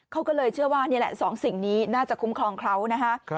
เขาก็เลยเชื่อว่านี่แหละสองสิ่งนี้น่าจะคุ้มครองเขานะฮะ